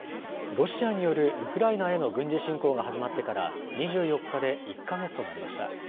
ロシアによるウクライナへの軍事侵攻が始まってから２４日で１か月となりました。